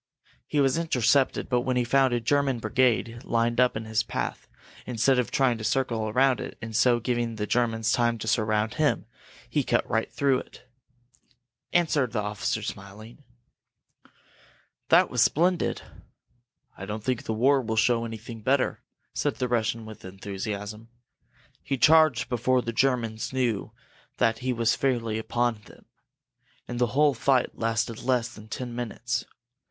He was intercepted but when he found a German brigade lined up in his path, instead of trying to circle around it, and so giving the Germans time to surround him, he cut right through it!" answered the officer, smiling. "That was splendid!" "I don't think the war will show anything better!" said the Russian, with enthusiasm. "He charged before the Germans knew that he was fairly upon them, and the whole fight lasted less than ten minutes.